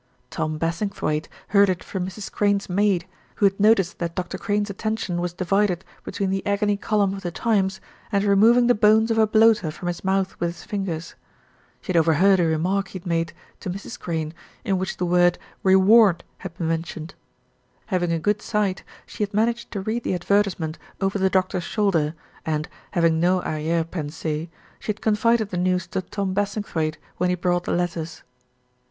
Tom Bassingthwaighte heard it from Mrs. Crane's maid, who had noticed that Dr. Crane's attention was divided between the agony column of The Times, and removing the bones of a bloater from his mouth with his fingers. She had overheard a remark he had made to Mrs. Crane, in which the word "reward" had been mentioned. Having a good sight, she had managed to read the advertisement over the doctor's shoulder and, having no arriere pensee, she had confided the news to Tom Bassingthwaighte when he brought the letters.